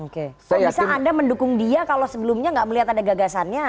kalau bisa anda mendukung dia kalau sebelumnya nggak melihat ada gagasannya